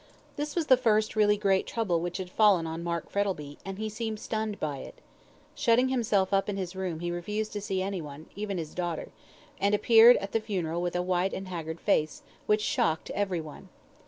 This was the first really great trouble which had fallen on Mark Frettlby, and he seemed stunned by it. Shutting himself up in his room he refused to see anyone, even his daughter, and appeared at the funeral with a white and haggard face, which shocked everyone.